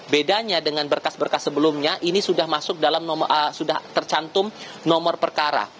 bedanya dengan berkas berkas sebelumnya ini sudah masuk dalam sudah tercantum nomor perkara